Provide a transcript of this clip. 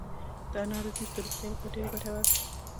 د انارو جوس د روغتیا لپاره ډیر ګټور دي.